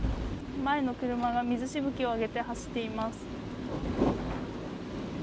前の車が水しぶきを上げて走っています。